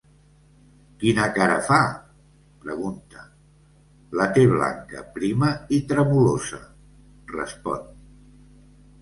“Quina cara fa?”, pregunta: “La té blanca, prima i tremolosa”, respon.